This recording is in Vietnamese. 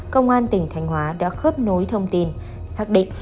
công an tỉnh thành hóa đã khớp nối thông tin